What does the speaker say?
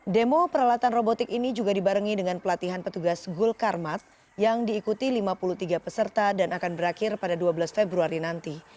demo peralatan robotik ini juga dibarengi dengan pelatihan petugas gul karmat yang diikuti lima puluh tiga peserta dan akan berakhir pada dua belas februari nanti